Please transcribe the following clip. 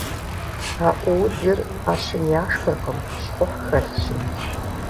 Аӏуудзыр ӏэщым яшхыркъым, щхъухь хэлъщи.